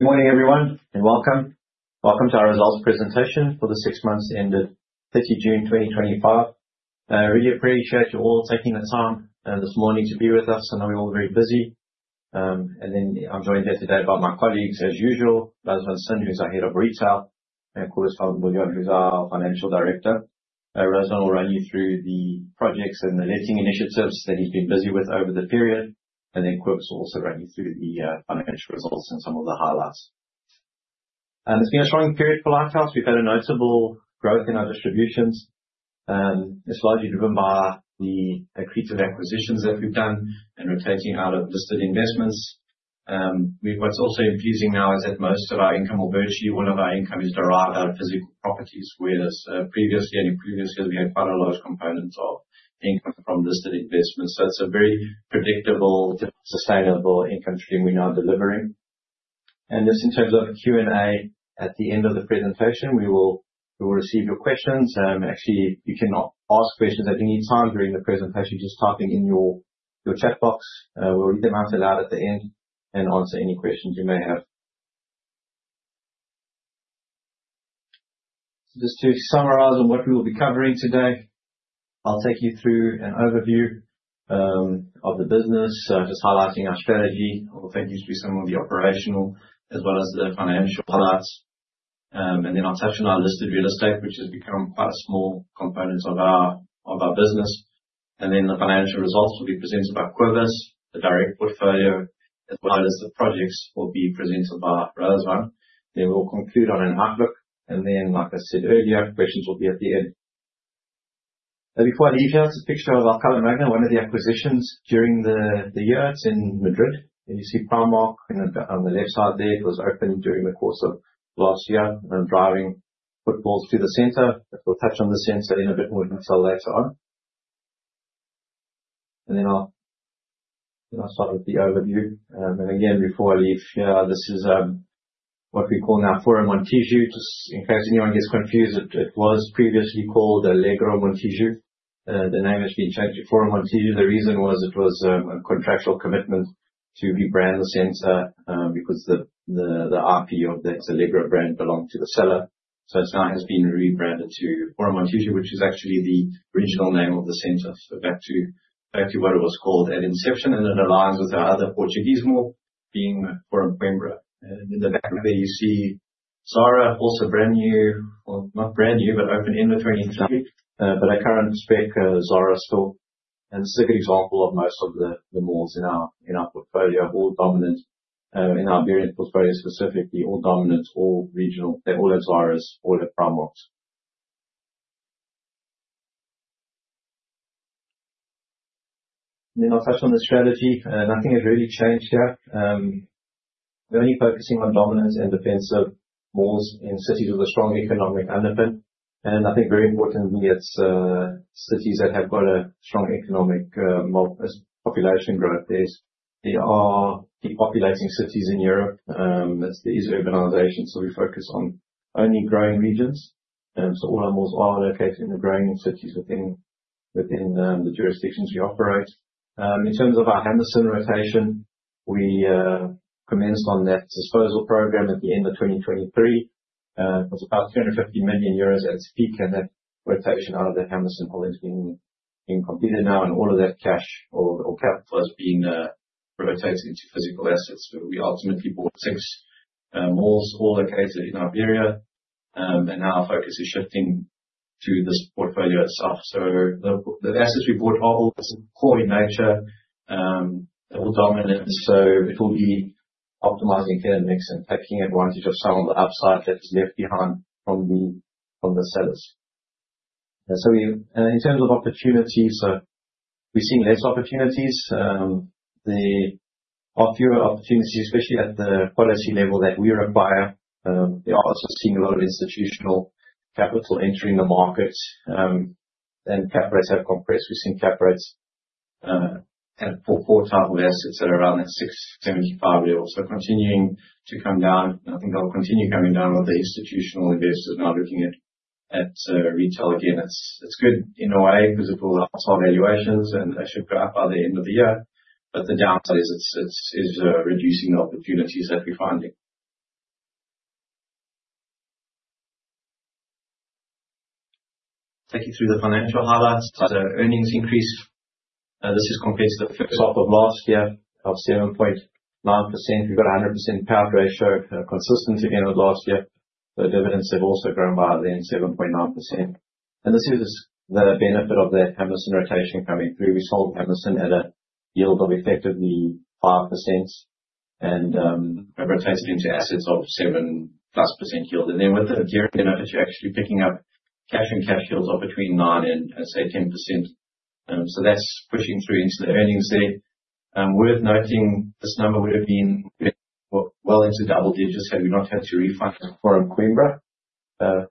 Good morning, everyone, and welcome. Welcome to our results presentation for the six months ended 30 June 2025. I really appreciate you all taking the time this morning to be with us. I know you're all very busy. I'm joined here today by my colleagues as usual. Răzvan Sin is our head of retail, and Jacobus van Biljon, who's our financial director. Răzvan will run you through the projects and the leasing initiatives that he's been busy with over the period. Jacobus will also run you through the financial results and some of the highlights. It's been a strong period for Lighthouse. We've had a notable growth in our distributions. It's largely driven by the accretive acquisitions that we've done and rotating out of listed investments. What's also pleasing now is that most of our income or virtually all of our income is derived out of physical properties. Whereas previously, in previous years, we had quite a large component of income from listed investments. It's a very predictable, sustainable income stream we're now delivering. Just in terms of Q&A, at the end of the presentation, we will receive your questions. Actually, you can ask questions at any time during the presentation just typing in your chat box. We'll read them out aloud at the end and answer any questions you may have. Just to summarize on what we will be covering today. I'll take you through an overview of the business, just highlighting our strategy. I will take you through some of the operational as well as the financial highlights. Then I'll touch on our listed real estate, which has become quite a small component of our business. Then the financial results will be presented by Jacobus. The direct portfolio, as well as the projects, will be presented by Răzvan. We'll conclude on an outlook. Then, like I said earlier, questions will be at the end. Before I leave here, this is a picture of Alcalá Magna, one of the acquisitions during the year. It's in Madrid. You see Primark on the left side there. It was opened during the course of last year. Then driving footfalls through the center. We'll touch on the center in a bit more detail later on. Then I'll start with the overview. Again, before I leave here, this is what we call now Forum Montijo. Just in case anyone gets confused, it was previously called Alegro Montijo. The name has been changed to Forum Montijo. The reason was it was a contractual commitment to rebrand the center because the IP of the Alegro brand belonged to the seller. It now has been rebranded to Forum Montijo, which is actually the original name of the center. Back to what it was called at inception, it aligns with our other Portuguese mall being Forum Coimbra. In the back there you see Zara also brand new or not brand new, but opened very recently, our current spec Zara store. It's a good example of most of the malls in our portfolio, all dominant, in our varying portfolio specifically, all dominant, all regional. They all have Zaras, all have Primarks. I'll touch on the strategy. Nothing has really changed here. We're only focusing on dominant and defensive malls in cities with a strong economic underpin. I think very importantly, it's cities that have got a strong economic population growth. There are depopulating cities in Europe, as there is urbanization, we focus on only growing regions. All our malls are located in the growing cities within the jurisdictions we operate. In terms of our Hammerson rotation, we commenced on that disposal program at the end of 2023. It was about 250 million euros at its peak, that rotation out of the Hammerson hold has been completed now. All of that cash or capital has been rotated into physical assets. We ultimately bought six malls all located in Iberia. Now our focus is shifting to this portfolio itself. The assets we bought are all core in nature. They're all dominant. It will be optimizing tenant mix and taking advantage of some of the upside that is left behind from the sellers. In terms of opportunities, we're seeing less opportunities. There are fewer opportunities, especially at the quality level that we require. We are also seeing a lot of institutional capital entering the market, cap rates have compressed. We've seen cap rates for type of assets that are around that 6% to 7.5% yield. Continuing to come down. I think they'll continue coming down with the institutional investors now looking at retail again. It's good in a way because it will also valuations. They should go up by the end of the year. The downside is it's reducing the opportunities that we're finding. Take you through the financial highlights. Earnings increase. This is compared to the top of last year of 7.9%. We've got a 100% payout ratio, consistent again with last year. Dividends have also grown by then 7.9%. This is the benefit of that Hammerson rotation coming through. We sold Hammerson at a yield of effectively 5% and rotated into assets of 7%+ yield. With the gearing in it, you're actually picking up cash and cash yields of between 9% and, let's say, 10%. That's pushing through into the earnings there. Worth noting, this number would have been well, well into double digits had we not had to refinance Forum Coimbra.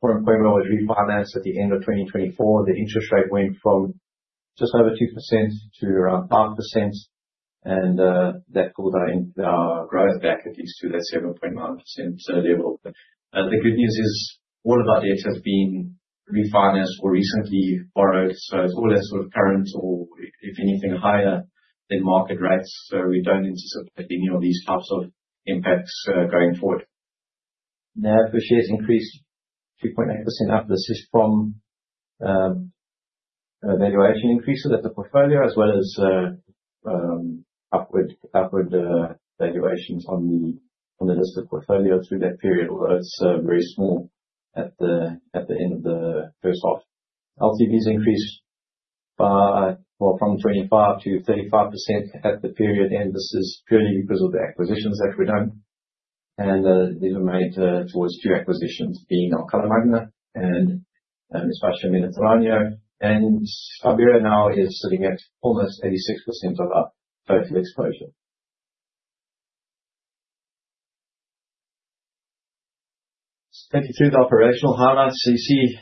Forum Coimbra was refinanced at the end of 2024. The interest rate went from just over 2% to around 5%. That pulled our growth back at least to that 7.9% level. The good news is all of our deals have been refinanced or recently borrowed. It's all at sort of current or if anything, higher than market rates. We don't anticipate any of these types of impacts going forward. NAV per share has increased 3.8%. Now, this is from valuation increases at the portfolio as well as upward valuations on the listed portfolio through that period, although it's very small at the end of the first half. LTVs increased from 25%-35% at the period end. This is purely because of the acquisitions that we've done and levered made towards two acquisitions, being Alcalá Magna and Espacio Mediterráneo. Iberia now is sitting at almost 86% of our total exposure. Taking you through the operational highlights. You see,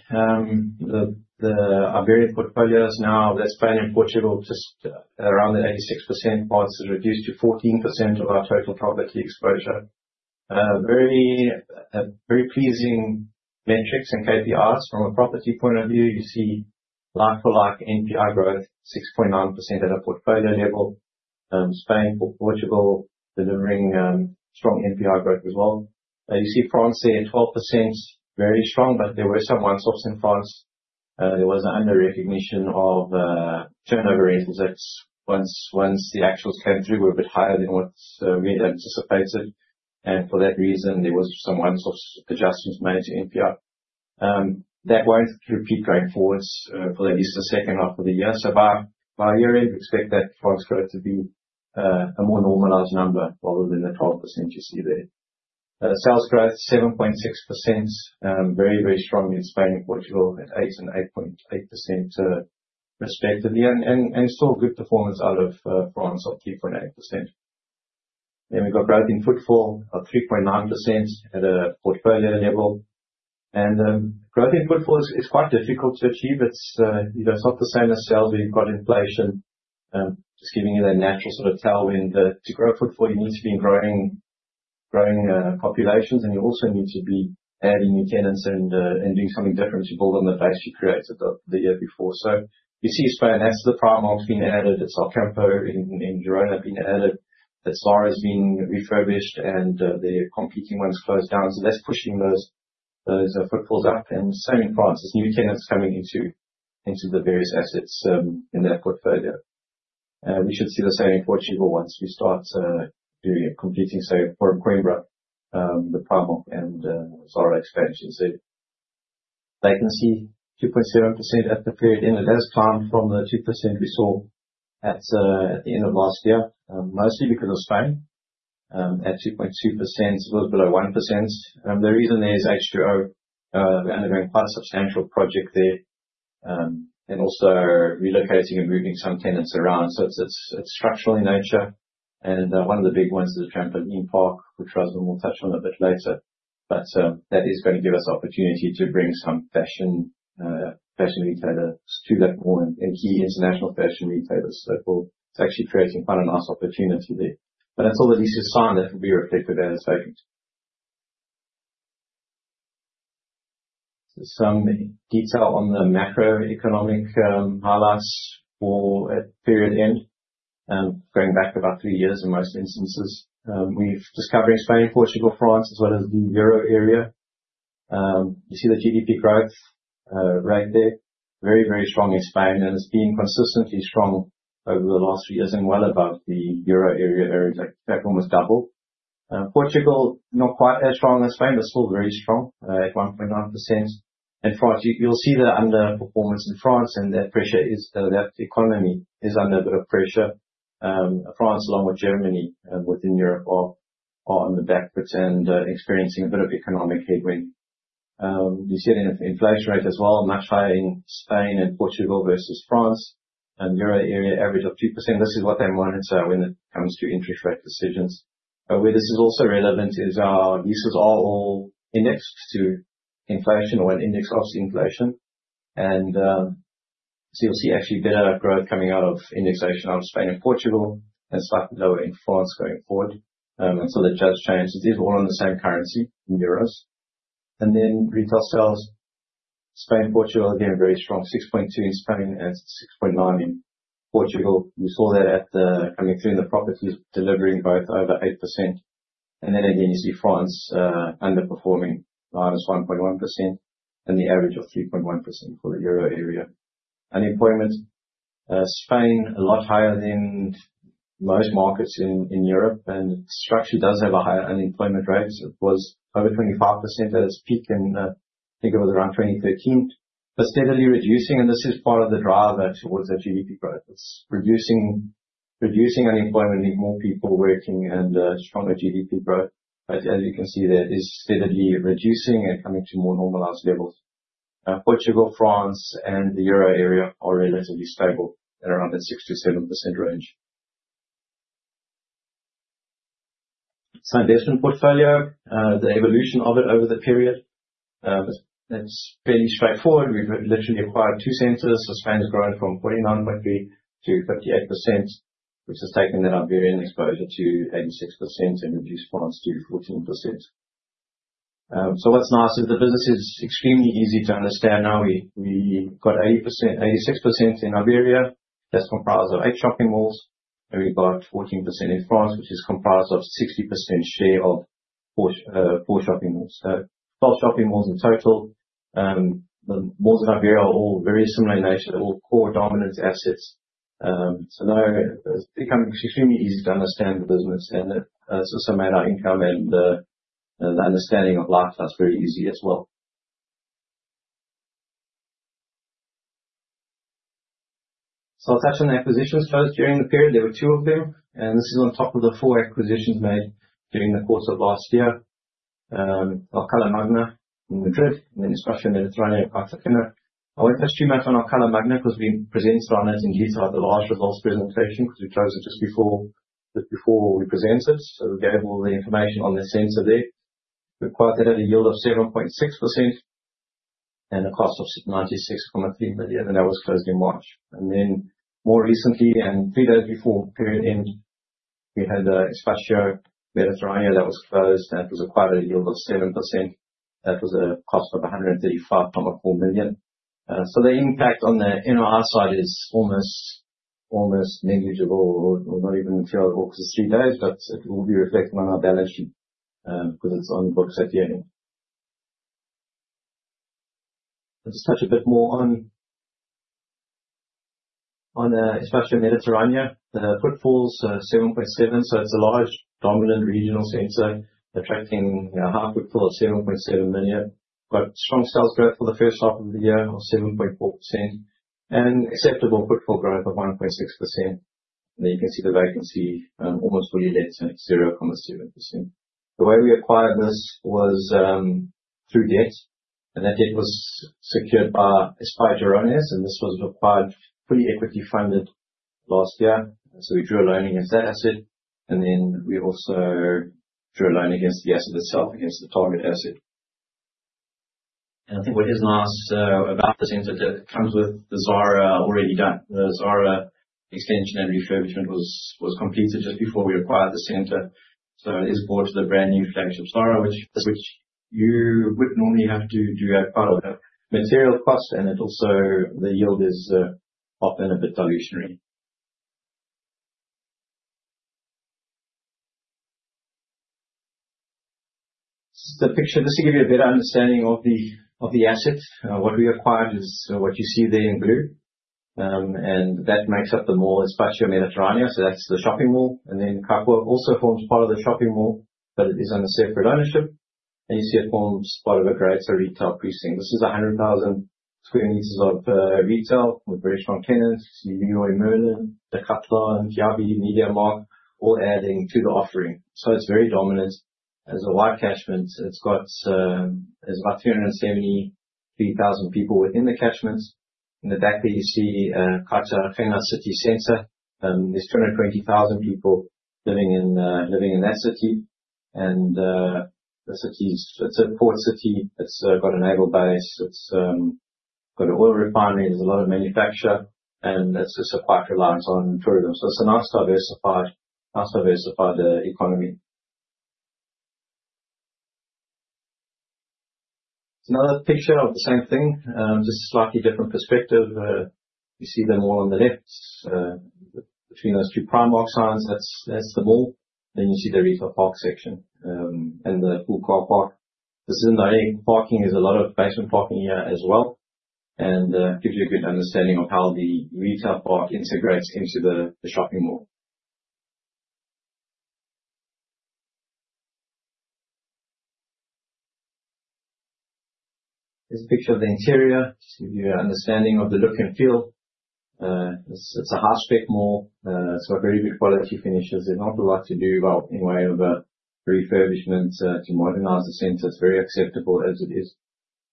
the Iberian portfolio is now, that's Spain and Portugal, just around the 86% marks. It reduced to 14% of our total property exposure. Very pleasing metrics and KPIs from a property point of view. You see like-for-like NPI growth, 6.9% at a portfolio level. Spain or Portugal delivering strong NPI growth as well. You see France there, 12%, very strong, but there were some one-offs in France. There was an under-recognition of turnover indices once the actuals came through were a bit higher than what we had anticipated. For that reason, there was some one-off adjustments made to NPI. That won't repeat going forwards for at least the second half of the year. By year-end, we expect that France growth to be a more normalized number rather than the 12% you see there. Sales growth, 7.6%. Very strong in Spain and Portugal at 8% and 8.8%, respectively. Still good performance out of France of 2.8%. We've got growth in footfall of 3.9% at a portfolio level. Growth in footfall is quite difficult to achieve. It's, you know, it's not the same as sales. You've got inflation just giving you that natural sort of tailwind. To grow footfall, you need to be in growing populations, and you also need to be adding new tenants and doing something different to build on the base you created the year before. You see Spain has the Primark being added. It's Alcampo in Girona being added. The Zara is being refurbished and the competing one's closed down. That's pushing those footfalls up. Same in France. There's new tenants coming into the various assets in that portfolio. We should see the same in Portugal once we start doing a competing sale for Coimbra, the Primark, and Zara expansion there. Vacancy, 2.7% at the period end. It has climbed from the 2% we saw at the end of last year, mostly because of Spain, at 2.2%, a little below 1%. The reason there is H2O, they're undergoing quite a substantial project there, and also relocating and moving some tenants around. It's structural in nature. One of the big ones is the trampoline park, which Răzvan will touch on a bit later. That is gonna give us opportunity to bring some fashion retailers to that mall and key international fashion retailers. It's actually creating quite a nice opportunity there. That's all at least a sign that will be reflected in our statements. Some detail on the macroeconomic highlights for, at period end, going back about three years in most instances. Just covering Spain, Portugal, France, as well as the Euro area. You see the GDP growth rate there. Very, very strong in Spain, and it's been consistently strong over the last three years and well above the Euro area average, like almost double. Portugal, not quite as strong as Spain, but still very strong, at 1.9%. France, you'll see the underperformance in France and that pressure, that economy is under a bit of pressure. France along with Germany, within Europe are on the back foot and experiencing a bit of economic headwind. You see it in inflation rate as well, much higher in Spain and Portugal versus France and Euro area average of 2%. This is what they monitor when it comes to interest rate decisions. Where this is also relevant is our leases are all indexed to inflation or an index of the inflation. You'll see actually better growth coming out of indexation out of Spain and Portugal and slightly lower in France going forward. That does change. These are all in the same currency, in euros. Retail sales, Spain, Portugal, again, very strong, 6.2% in Spain and 6.9% in Portugal. You saw that coming through in the properties delivering both over 8%. Again, you see France underperforming minus 1.1% and the average of 3.1% for the Euro area. Unemployment, Spain a lot higher than most markets in Europe and structurally does have a higher unemployment rate. It was over 25% at its peak in, I think it was around 2013. Steadily reducing, and this is part of the driver towards that GDP growth. It's reducing unemployment, you need more people working and stronger GDP growth. As you can see, that is steadily reducing and coming to more normalized levels. Portugal, France, and the Euro area are relatively stable at around the 6%-7% range. Standing portfolio, the evolution of it over the period, it's fairly straightforward. We've literally acquired two centers. Spain has grown from 49.3%-58%. Which has taken that Iberian exposure to 86% and reduced France to 14%. What's nice is the business is extremely easy to understand now. We got 86% in Iberia. That's comprised of eight shopping malls. We've got 14% in France, which is comprised of 60% share of four shopping malls. 12 shopping malls in total. The malls in Iberia are all very similar in nature. They're all core dominance assets. Now it's becoming extremely easy to understand the business and it, some made our income and the, and the understanding of Lighthouse Properties very easy as well. I'll touch on the acquisitions closed during the period. There were two of them, and this is on top of the four acquisitions made during the course of last year. Alcalá Magna in Madrid and Espacio Mediterráneo, Cartagena. I won't touch too much on Alcalá Magna because we presented on it in detail at the large results presentation 'cause we closed it just before we presented. We gave all the information on the center there. We acquired that at a yield of 7.6% and a cost of 96.3 million, and that was closed in March. More recently and three days before period end, we had Espacio Mediterráneo that was closed, and it was acquired at a yield of 7%. That was a cost of 135.4 million. The impact on the NOI side is almost negligible or not even material at all 'cause it's three days, but it will be reflected on our balance sheet 'cause it's on books at year-end. I'll just touch a bit more on Espacio Mediterráneo. The footfall is 7.7%, so it's a large dominant regional center attracting a high footfall of 7.7 million. Got strong sales growth for the first half of the year of 7.4% and acceptable footfall growth of 1.6%. You can see the vacancy, almost fully let at 0.7%. The way we acquired this was through debt, and that debt was secured by Espai Gironès, and this was acquired fully equity funded last year. We drew a loan against that asset, we also drew a loan against the asset itself, against the target asset. I think what is nice about the center that comes with the Zara already done. The Zara extension and refurbishment was completed just before we acquired the center. It is brought to the brand new flagship Zara, which you wouldn't normally have to do as part of that material plus, the yield is often a bit dilutionary. The picture, just to give you a better understanding of the asset. What we acquired is what you see there in blue. That makes up the mall, Espacio Mediterráneo, so that's the shopping mall. Carrefour also forms part of the shopping mall, but it is under separate ownership. You see it forms part of a greater retail precinct. This is 100,000 sq m of retail with very strong tenants. You see Leroy Merlin, Decathlon, Kiabi, MediaMarkt, all adding to the offering. It's very dominant. There's a wide catchment. It's got, there's about 373,000 people within the catchment. In the back there, you see Cartagena city center. There's 220,000 people living in that city. It's a port city. It's got a naval base. It's got an oil refinery. There's a lot of manufacture, and it's also quite reliant on tourism. It's a nice diversified economy. Another picture of the same thing, just a slightly different perspective. You see the mall on the left. Between those two Primark signs, that's the mall. You see the retail park section and the full car park. This is in the main parking. There's a lot of basement parking here as well, and gives you a good understanding of how the retail park integrates into the shopping mall. Here's a picture of the interior to give you an understanding of the look and feel. It's a high-spec mall. It's got very good quality finishes. There's not a lot to do well in way of refurbishment to modernize the center. It's very acceptable as it is.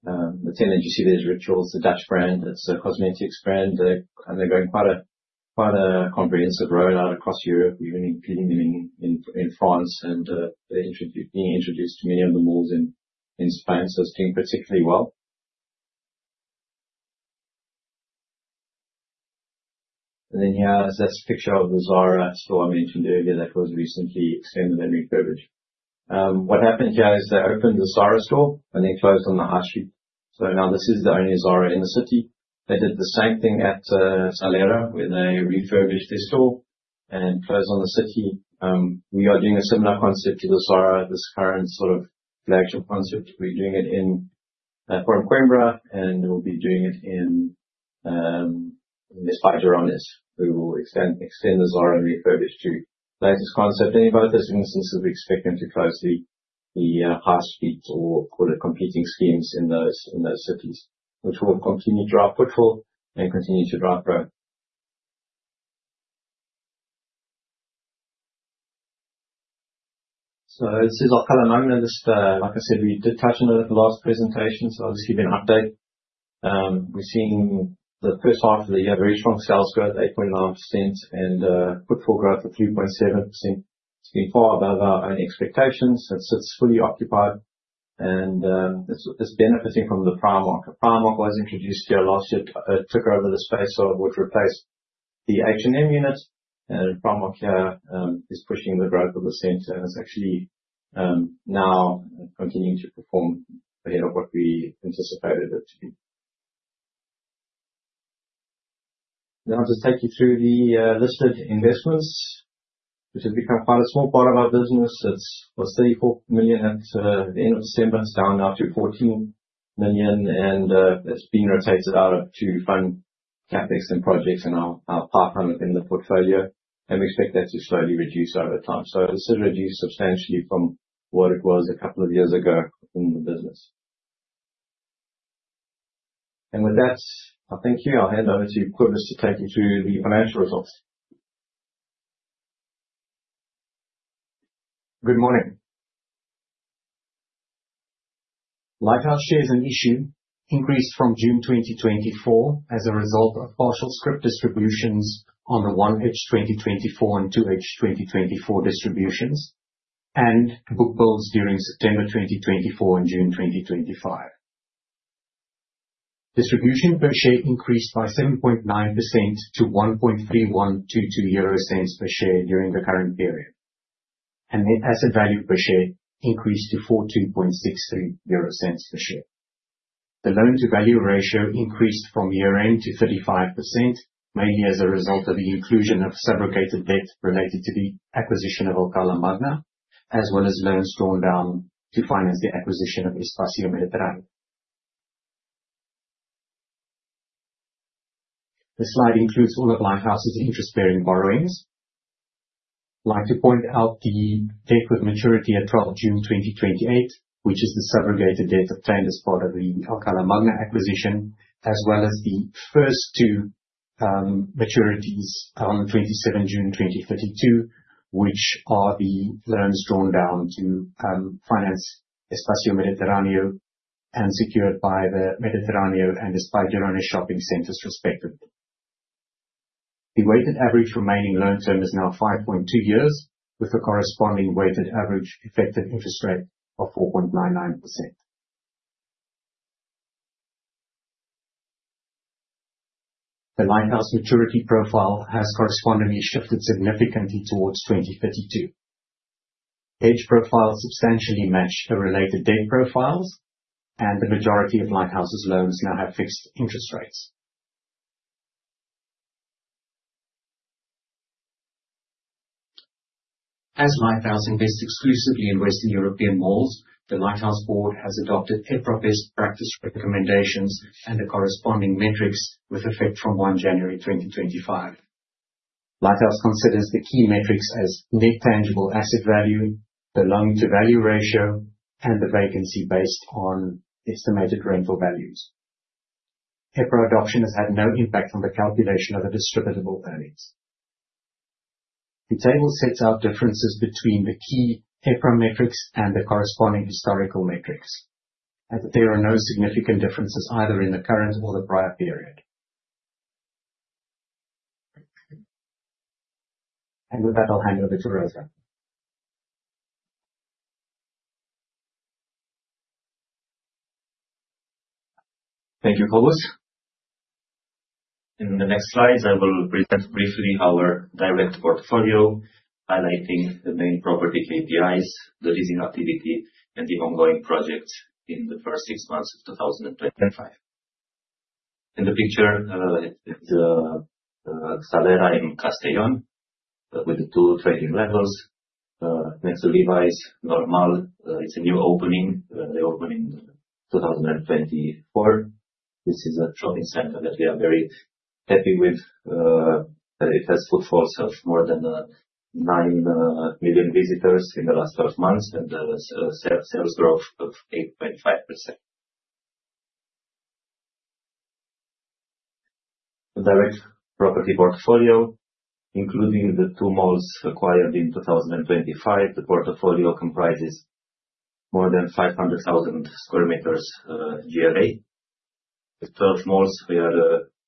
The tenant you see there is Rituals, the Dutch brand. It's a cosmetics brand. They're growing quite a comprehensive rollout across Europe, even including in France. They're being introduced to many of the malls in Spain. It's doing particularly well. Here, that's a picture of the Zara store I mentioned earlier that was recently extended and refurbished. What happened here is they opened the Zara store and then closed on the high street. This is the only Zara in the city. They did the same thing at Salera, where they refurbished their store and closed on the city. We are doing a similar concept to the Zara, this current sort of flagship concept. We're doing it in Forum Coimbra, and we'll be doing it in Espai Gironès. We will extend the Zara and refurbish to latest concept. In both those instances, we expect them to close the high streets or call it competing schemes in those cities, which will continue to drive footfall and continue to drive growth. This is Alcalá Magna. This, like I said, we did touch on it at the last presentation, obviously been an update. We're seeing the first half of the year, very strong sales growth, 8.9% and footfall growth of 3.7%. It's been far above our own expectations. It's fully occupied. It's benefiting from the Primark. Primark was introduced here last year. It took over the space which replaced the H&M unit. Primark here, is pushing the growth of the center, and it's actually, now continuing to perform ahead of what we anticipated it to be. I'll just take you through the listed investments, which have become quite a small part of our business. It was 34 million at the end of December. It's down now to 14 million, and it's being rotated out to fund CapEx and projects in our pipeline within the portfolio. We expect that to slowly reduce over time. It's reduced substantially from what it was a couple of years ago in the business. With that, I thank you. I'll hand over to Kobus to take you through the financial results. Good morning. Lighthouse shares in issue increased from June 2024 as a result of partial scrip distributions on the 1H 2024 and 2H 2024 distributions and book builds during September 2024 and June 2025. Distribution per share increased by 7.9% to 0.013122 euros per share during the current period. Net asset value per share increased to 0.4263 per share. The loan-to-value ratio increased from year-end to 35%, mainly as a result of the inclusion of subrogated debt related to the acquisition of Alcalá Magna, as well as loans drawn down to finance the acquisition of Espacio Mediterráneo. This slide includes all of Lighthouse's interest-bearing borrowings. I'd like to point out the debt with maturity at 12 June 2028, which is the subrogated debt obtained as part of the Alcalá Magna acquisition, as well as the first two maturities on 27 June 2032, which are the loans drawn down to finance Espacio Mediterráneo and secured by the Mediterráneo and the Espai Gironès shopping centers respectively. The weighted average remaining loan term is now 5.2 years, with a corresponding weighted average effective interest rate of 4.99%. The Lighthouse maturity profile has correspondingly shifted significantly towards 2032. Age profiles substantially match the related debt profiles, and the majority of Lighthouse's loans now have fixed interest rates. As Lighthouse invests exclusively in Western European malls, the Lighthouse board has adopted EPRA best practice recommendations and the corresponding metrics with effect from 1 January 2025. Lighthouse considers the key metrics as net tangible asset value, the loan-to-value ratio, and the vacancy based on estimated rental values. EPRA adoption has had no impact on the calculation of the distributable values. The table sets out differences between the key EPRA metrics and the corresponding historical metrics, as there are no significant differences either in the current or the prior period. With that, I'll hand over to Răzvan. Thank you, Kobus. In the next slides, I will present briefly our direct portfolio, highlighting the main property KPIs, the leasing activity, and the ongoing projects in the first six months of 2025. In the picture is Salera in Castellón with the two trading levels. Next to Levi's Normal, it's a new opening. They opened in 2024. This is a shopping center that we are very happy with. It has footfalls of more than 9 million visitors in the last 12 months and sales growth of 8.5%. The direct property portfolio, including the two malls acquired in 2025. The portfolio comprises more than 500,000 sq m GLA. With 12 malls, we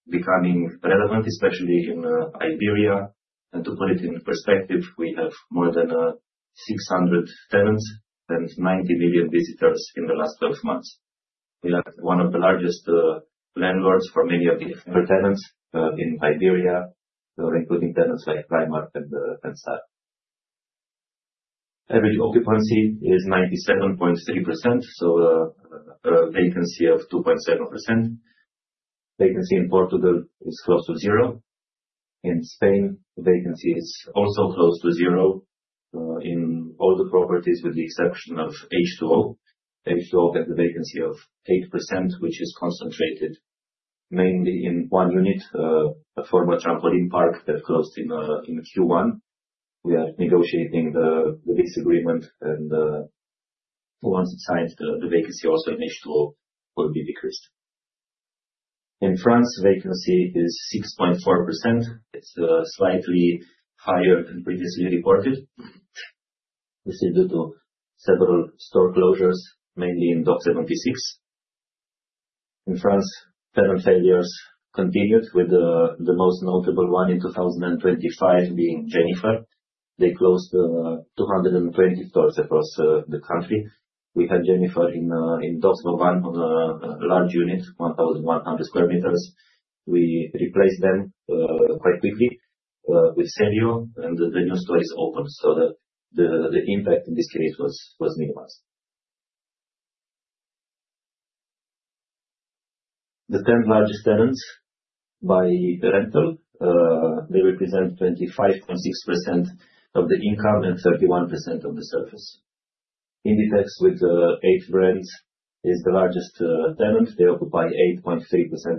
are becoming relevant, especially in Iberia. To put it in perspective, we have more than 600 tenants and 90 million visitors in the last 12 months. We are one of the largest landlords for many of the hyper tenants in Iberia, including tenants like Primark and Pull&Bear. Average occupancy is 97.3%, so a vacancy of 2.7%. Vacancy in Portugal is close to zero. In Spain, vacancy is also close to zero in all the properties, with the exception of H2O. H2O has a vacancy of 8%, which is concentrated mainly in one unit, a former trampoline park that closed in Q1. We are negotiating the lease agreement and once it's signed, the vacancy also in H2O will be decreased. In France, vacancy is 6.4%. It's slightly higher than previously reported. This is due to several store closures, mainly in Docks 76. In France, tenant failures continued with the most notable one in 2025 being Jennyfer. They closed 220 stores across the country. We had Jennyfer in Docks Vauban one of the large units, 1,100 sq m. We replaced them quite quickly with Celio and the new store is open. The impact in this case was minimized. The 10 largest tenants by rental, they represent 25.6% of the income and 31% of the surface. Inditex with eight brands is the largest tenant. They occupy 8.3%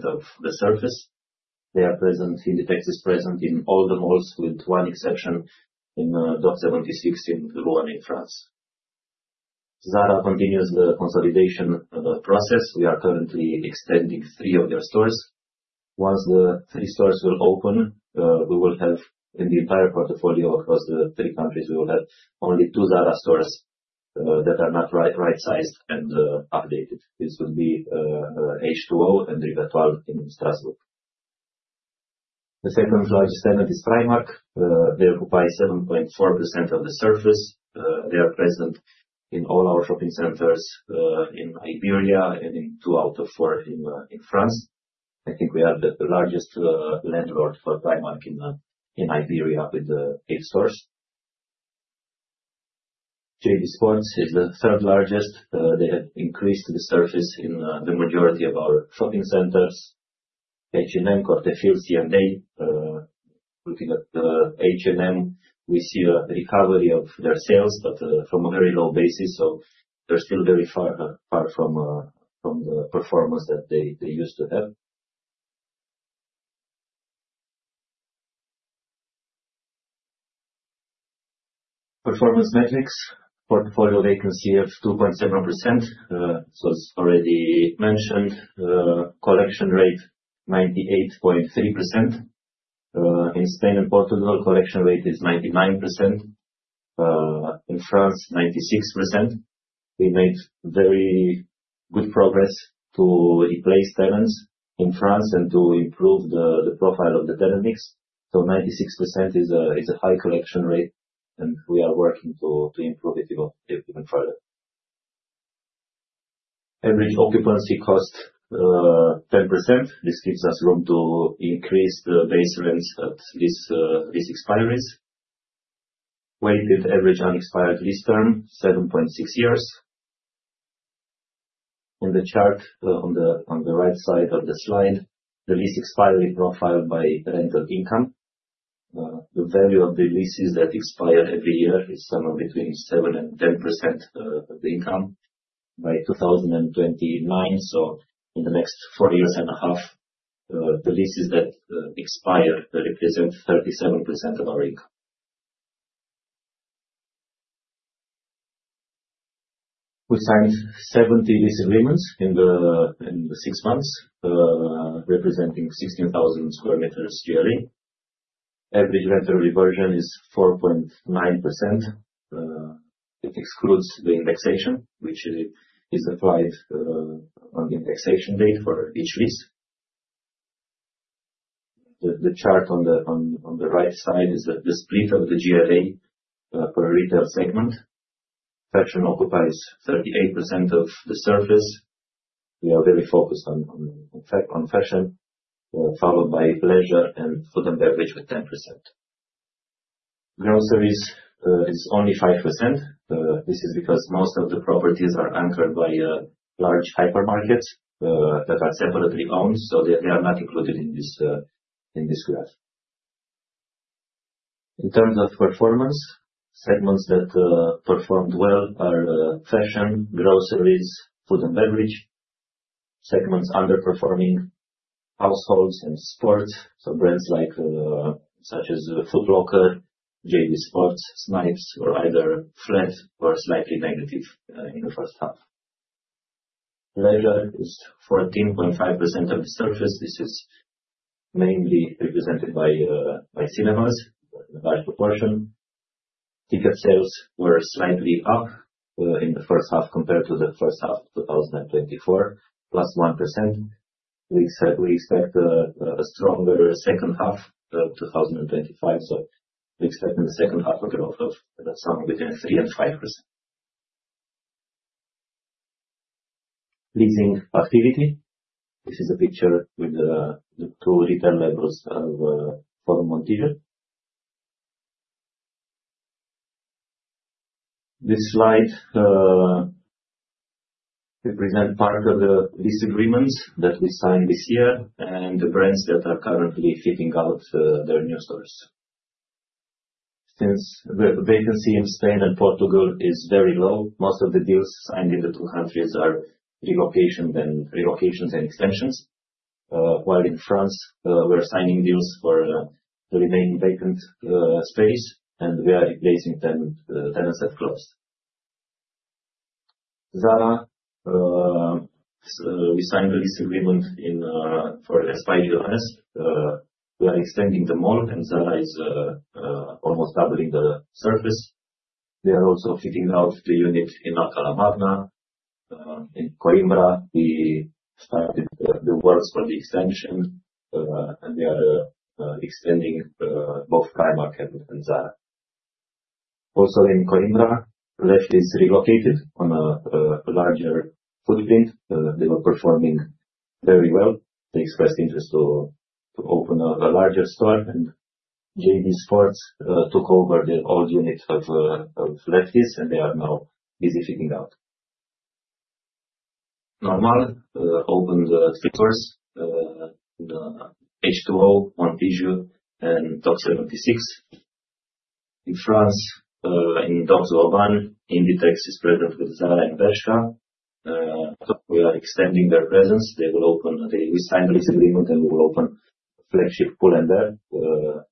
of the surface. They are present. Inditex is present in all the malls with one exception in Docks 76 in Rouen, in France. Zara continues the consolidation process. We are currently extending three of their stores. Once the three stores will open, we will have in the entire portfolio across the three countries, we will have only two Zara stores that are not right-sized and updated. This will be H2O and Rivetoile in Strasbourg. The second-largest tenant is Primark. They occupy 7.4% of the surface. They are present in all our shopping centers in Iberia and in two out of four in France. I think we are the largest landlord for Primark in Iberia with the eight stores. JD Sports is the third largest. They have increased the surface in the majority of our shopping centers. H&M, Cortefiel, C&A. Looking at H&M, we see a recovery of their sales, but from a very low basis, so they're still very far from the performance that they used to have. Performance metrics. Portfolio vacancy of 2.7%, as already mentioned. Collection rate, 98.3%. In Spain and Portugal, collection rate is 99%. In France, 96%. We made very good progress to replace tenants in France and to improve the profile of the tenant mix. 96% is a high collection rate, and we are working to improve it even further. Average occupancy cost, 10%. This gives us room to increase the base rents at lease expiries. Weighted average unexpired lease term, 7.6 years. In the chart on the right side of the slide, the lease expiry profile by rental income. The value of the leases that expire every year is somewhere between 7% and 10% of the income. By 2029, so in the next 4.5 years, the leases that expire, they represent 37% of our income. We signed 70 lease agreements in the six months, representing 16,000 sq m GLA. Average rental reversion is 4.9%. It excludes the indexation, which is applied on the indexation date for each lease. The chart on the right side is the split of the GLA per retail segment. Fashion occupies 38% of the surface. We are very focused on fashion, followed by leisure and food and beverage with 10%. Groceries is only 5%. This is because most of the properties are anchored by large hypermarkets that are separately owned, so they are not included in this graph. In terms of performance, segments that performed well are fashion, groceries, food and beverage. Segments underperforming, households and sports. Brands like such as Foot Locker, JD Sports, Snipes were either flat or slightly negative in the first half. Leisure is 14.5% of the surface. This is mainly represented by cinemas, a large proportion. Ticket sales were slightly up in the first half compared to the first half of 2024, +1%. We expect a stronger second half 2025. We expect in the second half a growth of somewhere between 3% and 5%. Leasing activity. This is a picture with the two retail labels of Forum Montijo. This slide represent part of the lease agreements that we signed this year and the brands that are currently fitting out their new stores. Since the vacancy in Spain and Portugal is very low, most of the deals signed in the two countries are relocations and extensions. While in France, we're signing deals for the remaining vacant space, and we are replacing tenants at closed. Zara, we signed the lease agreement in for Espai Gironès. We are extending the mall. Zara is almost doubling the surface. We are also fitting out the unit in Alcalá Magna. In Coimbra, we started the works for the extension, and we are extending both Primark and Zara. Also in Coimbra, Lefties relocated on a larger footprint. They were performing very well. They expressed interest to open a larger store, and JD Sports took over the old unit of Lefties, and they are now busy fitting out. Normal opened three stores. The H2O, Montijo, and Docks 76. In France, in Docks Vauban, Inditex is present with Zara and Bershka. We are extending their presence. We signed a lease agreement, and we will open a flagship Pull&Bear.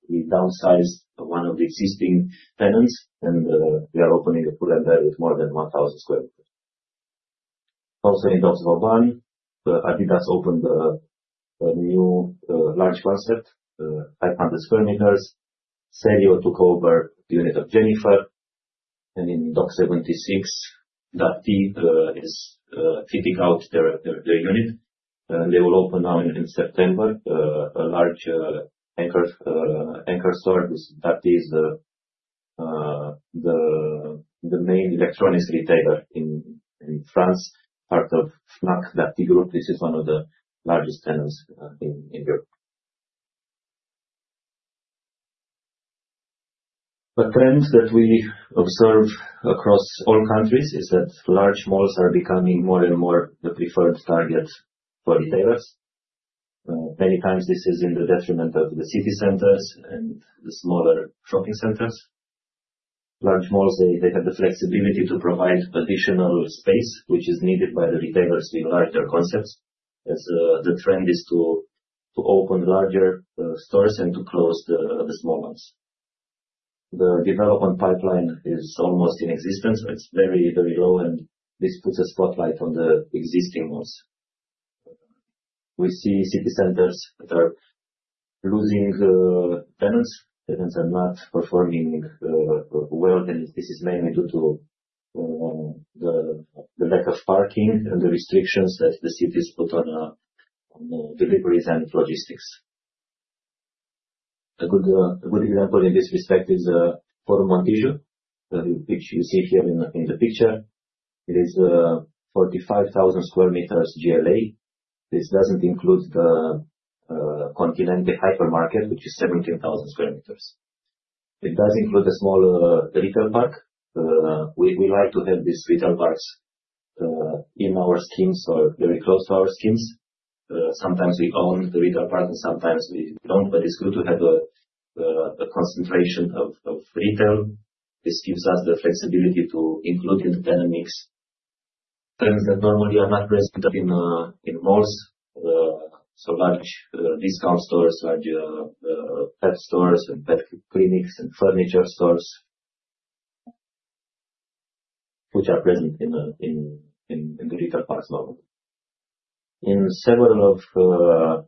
We downsized one of the existing tenants, and we are opening a Pull&Bear with more than 1,000 sq m. Also in Docks Vauban, adidas opened a new large concept, 500 sq m. Celio took over the unit of Jennyfer. In Docks 76, Darty is fitting out their unit. They will open now in September a large anchor store. This Darty is the main electronics retailer in France, part of Fnac Darty Group. This is one of the largest tenants in Europe. A trend that we observe across all countries is that large malls are becoming more and more the preferred target for retailers. Many times this is in the detriment of the city centers and the smaller shopping centers. Large malls, they have the flexibility to provide additional space, which is needed by the retailers in larger concepts, as the trend is to open larger stores and to close the small ones. The development pipeline is almost inexistent. It's very low, this puts a spotlight on the existing malls. We see city centers that are losing tenants. Tenants are not performing well, this is mainly due to the lack of parking and the restrictions that the cities put on deliveries and logistics. A good example in this respect is Forum Montijo, which you see here in the picture. It is 45,000 sq m GLA. This doesn't include the Continente hypermarket, which is 17,000 sq m. It does include a small retail park. We like to have these retail parks in our schemes or very close to our schemes. Sometimes we own the retail park and sometimes we don't. It's good to have a concentration of retail. This gives us the flexibility to include in the tenant mix trends that normally are not present in malls. Large discount stores, large pet stores and pet clinics and furniture stores, which are present in the retail parks normally. In several of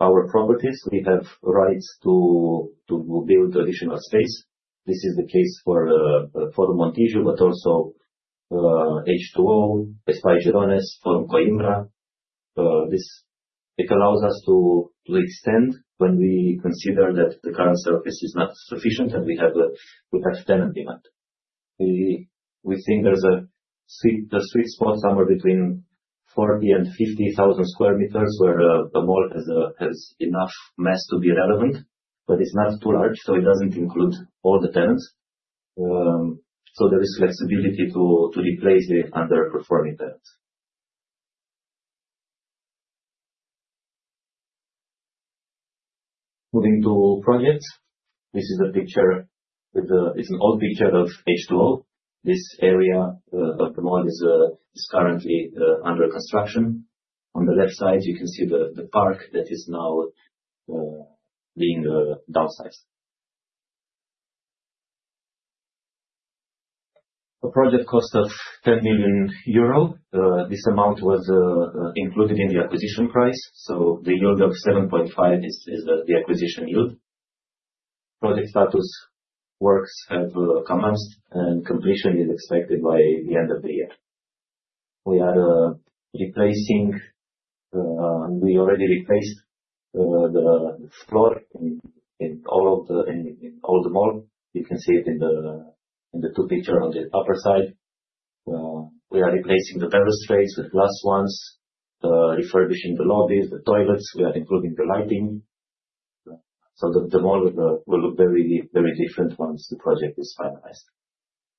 our properties, we have rights to build additional space. This is the case for Forum Montijo, but also H2O, Espai Gironès, Forum Coimbra. This It allows us to extend when we consider that the current surface is not sufficient and we have tenant demand. We think there's a sweet spot somewhere between 40,000 sq m and 50,000 sq m where the mall has enough mass to be relevant, but it's not too large, so it doesn't include all the tenants. There is flexibility to replace the underperforming tenants. Moving to projects. This is a picture with It's an old picture of H2O. This area of the mall is currently under construction. On the left side, you can see the park that is now being downsized. A project cost of 10 million euro. This amount was included in the acquisition price. The yield of 7.5 is the acquisition yield. Project status. Works have commenced, and completion is expected by the end of the year. We already replaced the floor in all the mall. You can see it in the two picture on the upper side. We are replacing the terrace crates with glass ones, refurbishing the lobbies, the toilets. We are including the lighting. The mall will look very different once the project is finalized.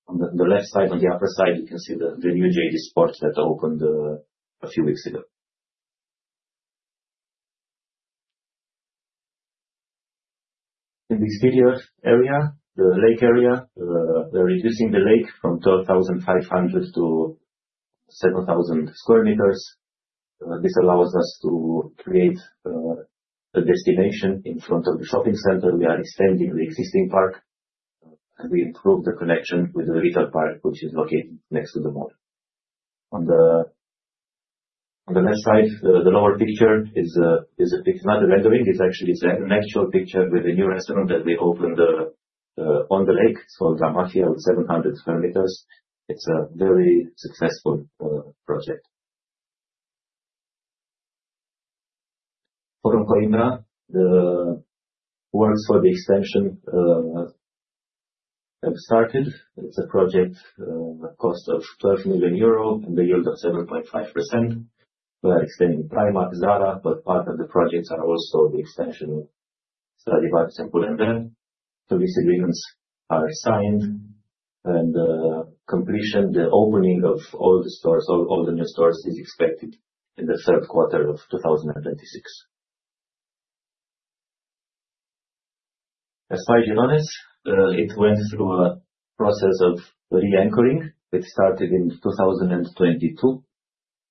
On the left side, on the upper side, you can see the new JD Sports that opened a few weeks ago. In this video area, the lake area, we're reducing the lake from 12,500 sq m to 7,000 sq m. This allows us to create a destination in front of the shopping center. We are extending the existing park and we improve the connection with the retail park, which is located next to the mall. On the left side, the lower picture is not a rendering. It's actually an actual picture with a new restaurant that we opened on the lake. It's called La Mafia, 700 sq m. It's a very successful project. Forum Coimbra, the works for the extension have started. It's a project with cost of 12 million euro and a yield of 7.5%. We are extending Primark, Zara, but part of the projects are also the extension of Stradivarius and Pull&Bear. These agreements are signed. Completion, the opening of all the stores, all the new stores is expected in the third quarter of 2026. Espai Gironès, it went through a process of re-anchoring, which started in 2022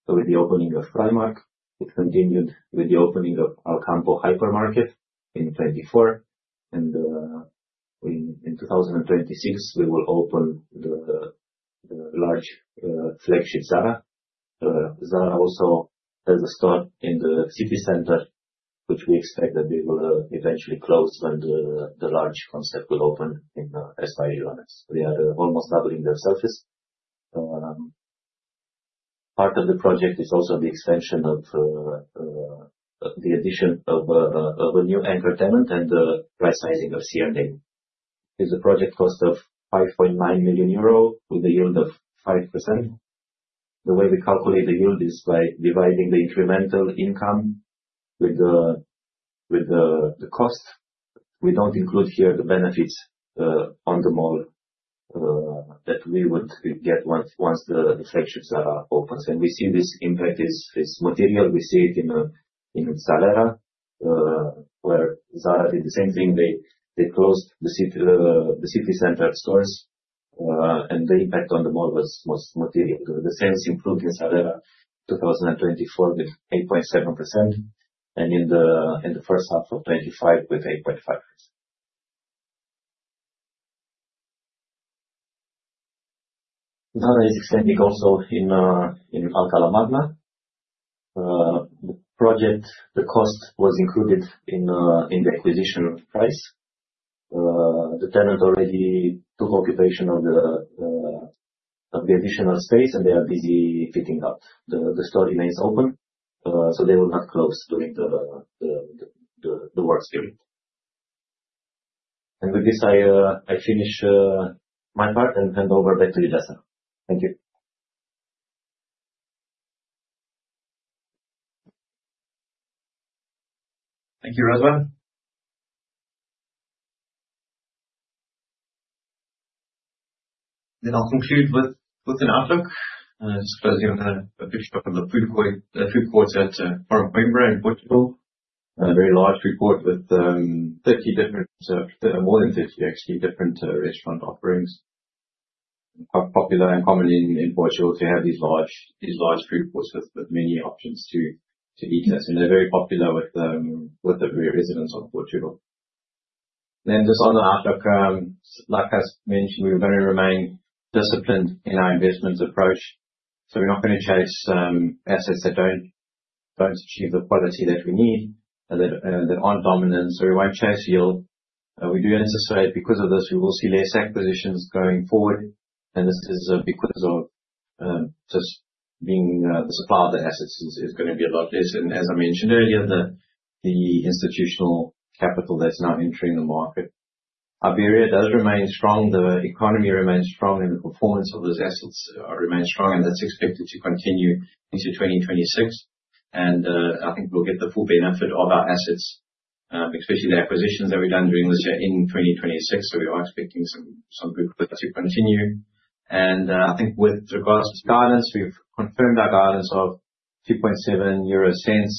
with the opening of Primark. It continued with the opening of Alcampo hypermarket in 2024. In 2026, we will open the large flagship Zara. Zara also has a store in the city center, which we expect that we will eventually close when the large concept will open in Espai Gironès. We are almost doubling their surface. Part of the project is also the expansion of the addition of a new anchor tenant and the rightsizing of C&A. It's a project cost of 5.9 million euro with a yield of 5%. The way we calculate the yield is by dividing the incremental income with the cost. We don't include here the benefits on the mall that we would get once the flagship Zara opens. We see this impact is material. We see it in Salera, where Zara did the same thing. They closed the city center stores. The impact on the mall was most material. The sales improved in Salera 2024 with 8.7%, and in the first half of 2025 with 8.5%. Zara is extending also in Alcalá Magna. The project, the cost was included in the acquisition price. The tenant already took occupation of the additional space, and they are busy fitting up. The store remains open, so they will not close during the works period. With this, I finish my part and hand over back to you, Justin. Thank you. Thank you, Răzvan. I'll conclude with an outlook. Just closing on a picture of the food courts at Forum Coimbra in Portugal. A very large food court with more than 30 actually different restaurant offerings. Quite popular and common in Portugal to have these large food courts with many options to eat. As in they're very popular with the residents of Portugal. Just on the outlook, like I mentioned, we're going to remain disciplined in our investments approach. We're not going to chase assets that don't achieve the quality that we need, that aren't dominant. We won't chase yield. We do anticipate because of this, we will see less acquisitions going forward. This is because of just being the supply of the assets is gonna be a lot less. As I mentioned earlier, the institutional capital that's now entering the market. Iberia does remain strong. The economy remains strong, and the performance of those assets remains strong, and that's expected to continue into 2026. I think we'll get the full benefit of our assets, especially the acquisitions that we've done during this year in 2026. We are expecting some good growth to continue. I think with regards to guidance, we've confirmed our guidance of 0.027 euros. I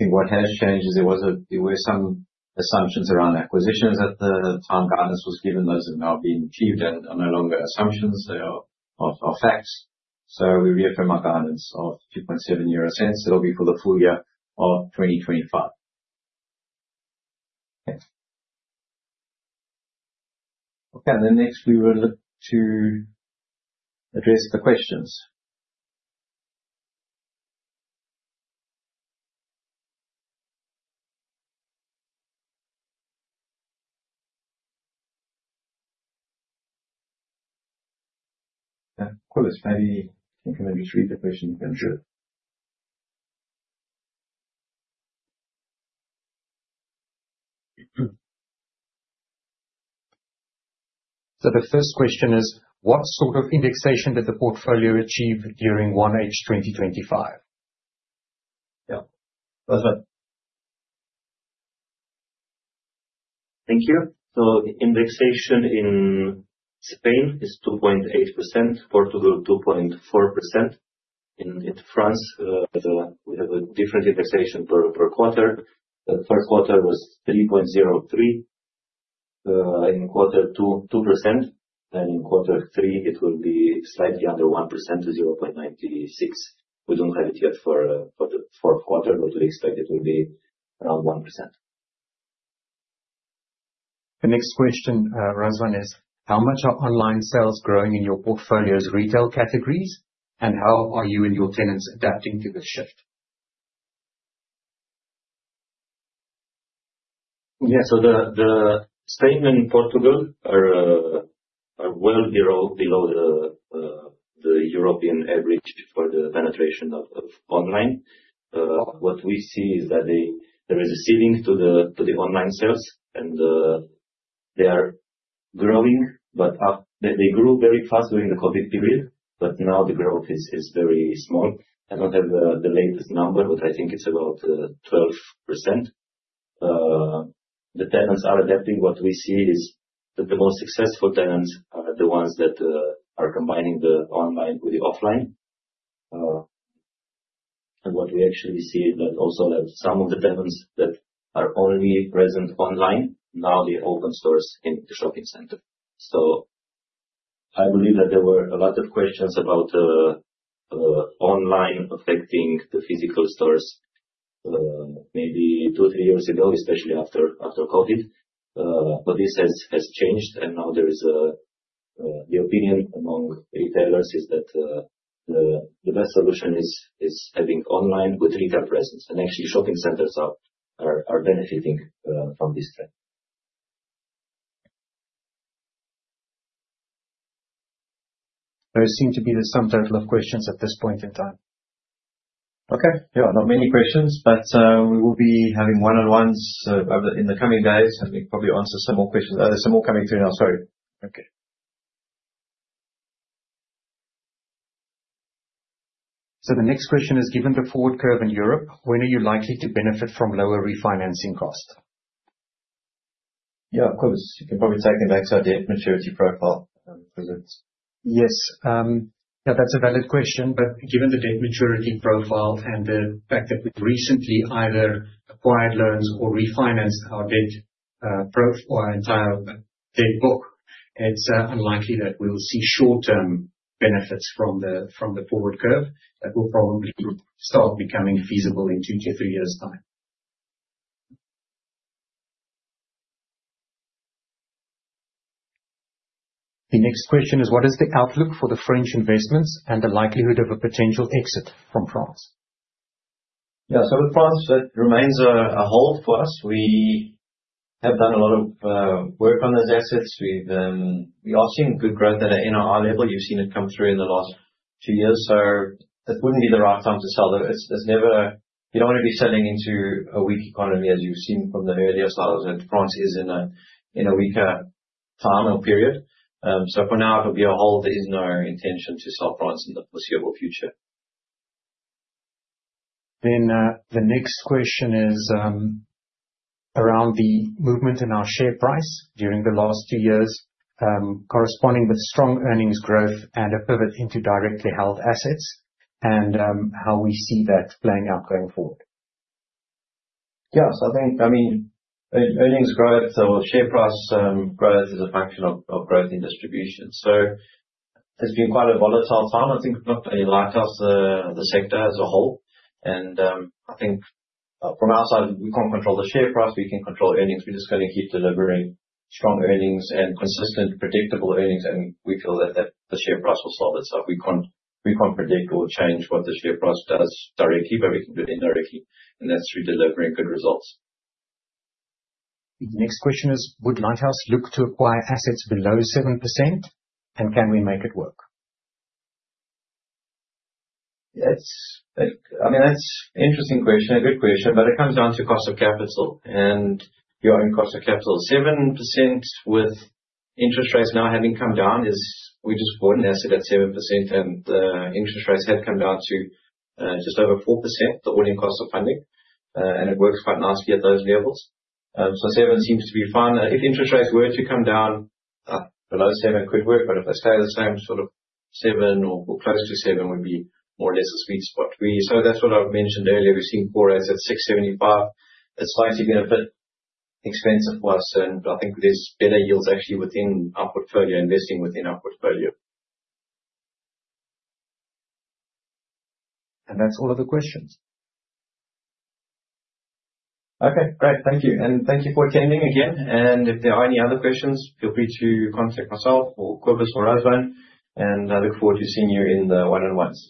think what has changed is there were some assumptions around acquisitions at the time guidance was given. Those have now been achieved and are no longer assumptions. They are facts. We reaffirm our guidance of 0.027. That will be for the full year of 2025. Thanks. Next we will look to address the questions. Yeah. I am going to just read the question. The first question is: What sort of indexation did the portfolio achieve during 1H 2025? Yeah. Răzvan. Thank you. Indexation in Spain is 2.8%, Portugal 2.4%. In France, we have a different indexation per quarter. The first quarter was 3.03%. In quarter 2%. In quarter three, it will be slightly under 1% to 0.96%. We don't have it yet for the fourth quarter, but we expect it will be around 1%. The next question, Răzvan is, how much are online sales growing in your portfolio's retail categories, and how are you and your tenants adapting to this shift? Yeah. The Spain and Portugal are well below the European average for the penetration of online. What we see is that there is a ceiling to the online sales and they are growing, but they grew very fast during the COVID period, but now the growth is very small. I don't have the latest number, but I think it's about 12%. The tenants are adapting. What we see is that the most successful tenants are the ones that are combining the online with the offline. What we actually see is that also that some of the tenants that are only present online, now they open stores in the shopping center. I believe that there were a lot of questions about online affecting the physical stores, maybe two, three years ago, especially after COVID. This has changed, and now there is the opinion among retailers is that the best solution is having online with retail presence. Actually, shopping centers are benefiting from this trend. There seem to be some type of questions at this point in time. Okay. Yeah. Not many questions, but we will be having one-on-ones, in the coming days, and we probably answer some more questions. There's some more coming through now. Sorry. Okay. The next question is, given the forward curve in Europe, when are you likely to benefit from lower refinancing costs? Yeah, of course. You can probably take it back to our debt maturity profile. Yes. Yeah, that's a valid question, but given the debt maturity profile and the fact that we've recently either acquired loans or refinanced our debt, our entire debt book, it's unlikely that we'll see short-term benefits from the forward curve. That will probably start becoming feasible in two to three years' time. The next question is, what is the outlook for the French investments and the likelihood of a potential exit from France? With France, that remains a hold for us. We have done a lot of work on those assets. We are seeing good growth at an NOI level. You've seen it come through in the last two years. It wouldn't be the right time to sell, though. You don't wanna be selling into a weak economy, as you've seen from the earlier slides, that France is in a weaker time or period. For now, it'll be a hold. There is no intention to sell France in the foreseeable future. The next question is around the movement in our share price during the last two years, corresponding with strong earnings growth and a pivot into directly held assets and how we see that playing out going forward. Yeah. I think, I mean, earnings growth or share price growth is a function of growth in distribution. It's been quite a volatile time. I think not only Lighthouse, the sector as a whole. I think from our side, we can't control the share price. We can control earnings. We just gotta keep delivering strong earnings and consistent, predictable earnings, and we feel that the share price will solve itself. We can't predict or change what the share price does directly, but we can do indirectly, and that's through delivering good results. The next question is, would Lighthouse look to acquire assets below 7%, and can we make it work? I mean, that's interesting question, a good question, but it comes down to cost of capital and your own cost of capital. 7% with interest rates now having come down is we just bought an asset at 7%, and interest rates have come down to just over 4%, the all-in cost of funding. It works quite nicely at those levels. 7% seems to be fine. If interest rates were to come down, below 7% could work, but if they stay the same, sort of 7% or close to 7% would be more or less a sweet spot. That's what I've mentioned earlier. We've seen core assets at 6.75%. It's slightly been a bit expensive for us, and I think there's better yields actually within our portfolio, investing within our portfolio. That's all of the questions. Okay. Great. Thank you. Thank you for attending again. If there are any other questions, feel free to contact myself or Kobus or Răzvan, and I look forward to seeing you in the one-on-ones.